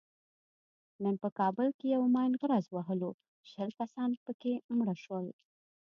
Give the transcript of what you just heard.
نن په کابل کې یوه ماین غرز وهلو شل کسان پکې مړه شول.